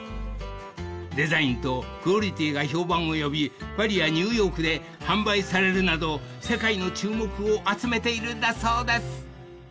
［デザインとクオリティーが評判を呼びパリやニューヨークで販売されるなど世界の注目を集めているんだそうです］